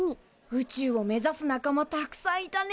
宇宙を目ざす仲間たくさんいたね。